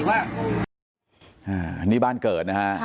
อะนี่บ้านเกิดน่ะฮะ